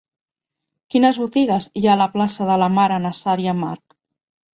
Quines botigues hi ha a la plaça de la Mare Nazaria March?